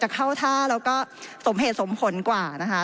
เข้าท่าแล้วก็สมเหตุสมผลกว่านะคะ